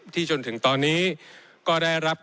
ที่จนถึงตอนนี้ก็ได้รับการแบบนี้